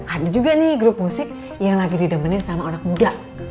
ada juga nih grup musik yang lagi ditemenin sama anak muda